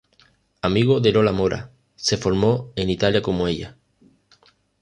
Amigo de Lola Mora, se formó en Italia como ella.